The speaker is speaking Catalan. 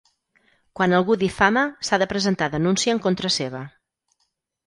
Quan algú difama s’ha de presentar denúncia en contra seva.